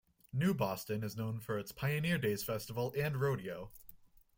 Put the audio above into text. New Boston is known for its Pioneer Days Festival and Rodeo.